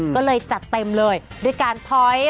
ก็เลยจัดเต็มเลยด้วยการถอย